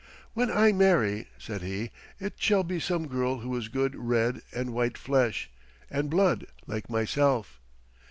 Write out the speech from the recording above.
"When I marry," said he, "it shall be some girl who is good red and white flesh and blood like myself."